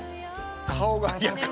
顔が。